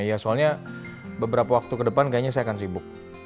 iya soalnya beberapa waktu kedepan kayaknya saya akan sibuk